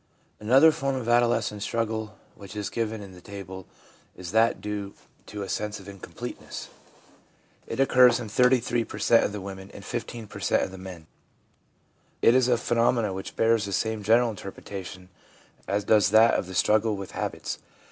Another form of adolescent struggle which is given in the table is that due to a sense of incompleteness. It occurs in 33 per cent, of the women and 15 per cent, of the men. It is a phenomenon which bears the same general interpretation as does that of the struggle with habits.